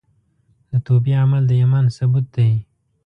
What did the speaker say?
د توبې عمل د ایمان ثبوت دی.